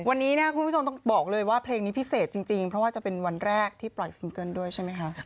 วันนี้เนี่ยคุณผู้ชมต้องบอกเลยว่าเพลงนี้พิเศษจริงเพราะว่าจะเป็นวันแรกที่ปล่อยซิงเกิ้ลด้วยใช่ไหมคะ